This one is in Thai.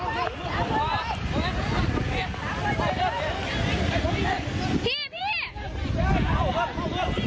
รวมถ้านี้มีมาค่ะ